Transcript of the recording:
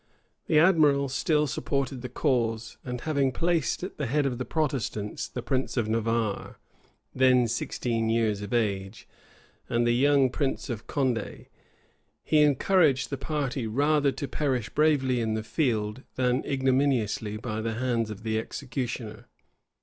The admiral still supported the cause; and having placed at the head of the Protestants the prince of Navarre, then sixteen years of age, and the young prince of Condé, he encouraged the party rather to perish bravely in the field, than ignominiously by the hands of the executioner.